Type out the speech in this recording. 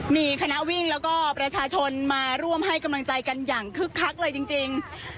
มีคณะวิ่งแล้วก็ประชาชนมาร่วมให้กำลังใจกันอย่างคึกคักเลยจริง